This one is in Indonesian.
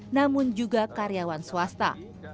namun juga karyawan swasta